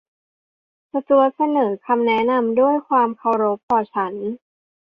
สจ๊วตเสนอคำแนะนำด้วยความเคารพต่อฉัน